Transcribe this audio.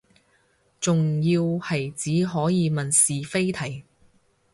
仲要係只可以問是非題